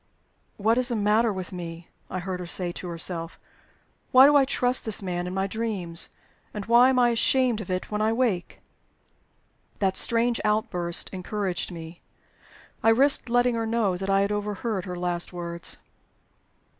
"What is the matter with me?" I heard her say to herself. "Why do I trust this man in my dreams? And why am I ashamed of it when I wake?" That strange outburst encouraged me. I risked letting her know that I had overheard her last words.